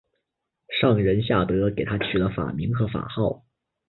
上仁下德给他取了法名和法号。